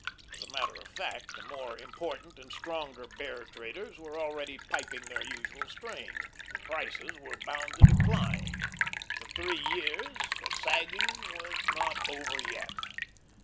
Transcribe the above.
As a matter of fact, the more important and stronger Bear traders were already piping their usual strain. Prices were bound to decline, the three years, sagging was not over yet.